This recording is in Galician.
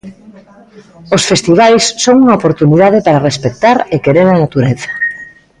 Os festivais son unha oportunidade para respectar e querer a natureza.